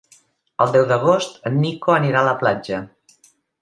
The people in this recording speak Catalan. El deu d'agost en Nico anirà a la platja.